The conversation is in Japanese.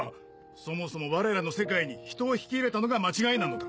そもそも我らの世界に人を引き入れたのが間違いなのだ。